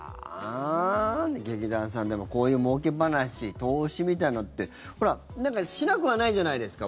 劇団さん、でもこういうもうけ話投資みたいのってしなくはないじゃないですか。